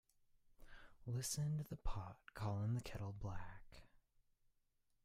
Listen to the pot calling the kettle black.